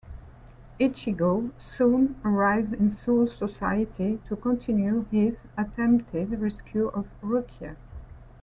Ichigo soon arrives in Soul Society to continue his attempted rescue of Rukia.